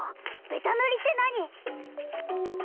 ベタ塗りって何！？